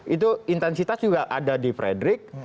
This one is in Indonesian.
itu intensitas juga ada di frederick